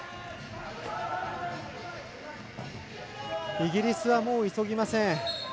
イギリスはもう急ぎません。